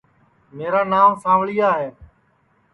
میرا نانٚو سانٚوݪِیا ہے